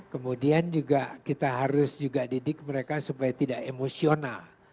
kemudian juga kita harus juga didik mereka supaya tidak emosional